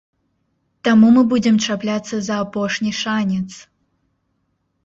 Таму мы будзем чапляцца за апошні шанец.